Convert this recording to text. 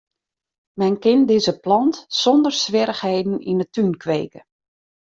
Men kin dizze plant sonder swierrichheden yn 'e tún kweke.